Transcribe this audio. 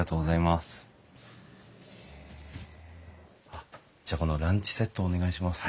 あっじゃあこのランチセットお願いします。